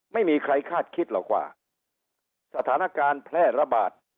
ไม่มีใครคาดคิดหรอกว่าสถานการณ์แพร่ระบาด